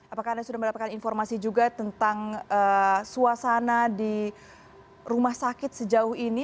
apakah anda sudah mendapatkan informasi juga tentang suasana di rumah sakit sejauh ini